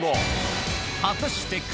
果たしてあ！